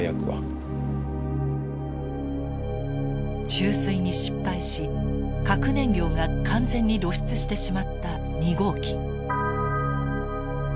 注水に失敗し核燃料が完全に露出してしまった２号機。